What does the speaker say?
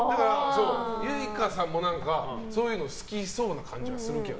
ユイカさんもそういうの好きそうな感じするけど。